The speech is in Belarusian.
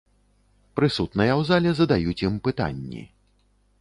Прысутныя ў зале задаюць ім пытанні.